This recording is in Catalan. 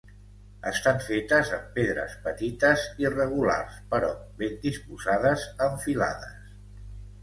Estan fetes amb pedres petites, irregulars, però ben disposades en filades.